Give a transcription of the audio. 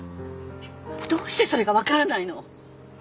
どうしてそれが分からないの？